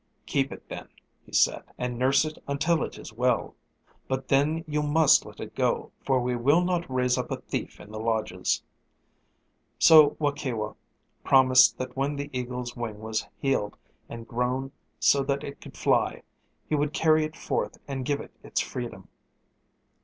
"Keep it, then," he said, "and nurse it until it is well. But then you must let it go, for we will not raise up a thief in the lodges." So Waukewa promised that when the eagle's wing was healed and grown so that it could fly, he would carry it forth and give it its freedom.